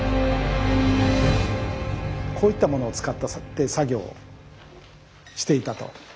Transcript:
こういったものを使って作業をしていたと。